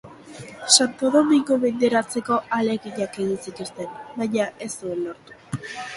Santo Domingo menderatzeko ahaleginak egin zituen, baina ez zuen lortu.